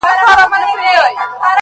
لكه زركي هم طنازي هم ښايستې وې.!